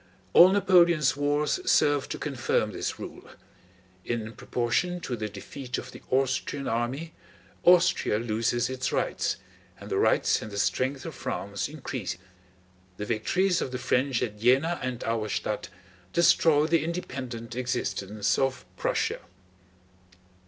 All Napoleon's wars serve to confirm this rule. In proportion to the defeat of the Austrian army Austria loses its rights, and the rights and the strength of France increase. The victories of the French at Jena and Auerstädt destroy the independent existence of Prussia.